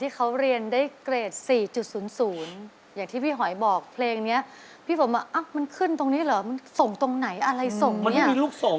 ที่เขาเรียนได้เกรด๔๐๐อย่างที่พี่หอยบอกเพลงเนี่ยพี่บอกว่าเออมันขึ้นตรงนี้เหรอมันส่งตรงไหนอะไรส่งมันไม่มีรูปส่ง